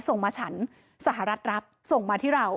ส่งมาฉันสหรัฐรับส่งมาที่เรา